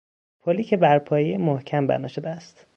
پلی که بر پایه محکم بنا شده است